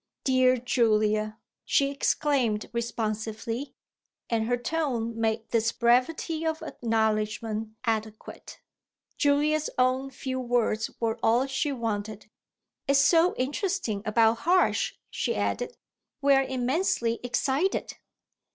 "Dear Julia!" she exclaimed responsively; and her tone made this brevity of acknowledgment adequate. Julia's own few words were all she wanted. "It's so interesting about Harsh," she added. "We're immensely excited."